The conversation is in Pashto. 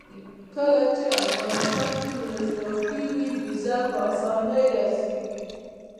کله چې افغانستان کې ولسواکي وي ویزه په اسانۍ راسیږي.